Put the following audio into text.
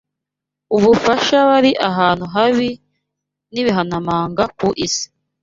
ubufasha bari ahantu habi n’ibihanamanga ku isi